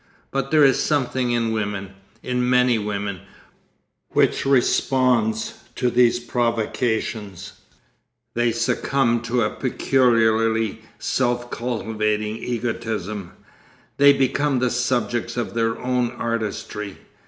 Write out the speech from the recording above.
But there is something in women, in many women, which responds to these provocations; they succumb to a peculiarly self cultivating egotism. They become the subjects of their own artistry.